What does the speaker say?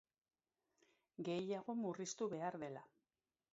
Gehiago murriztu behar dela.